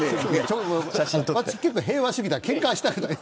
私は結構、平和主義でけんかはしたくない。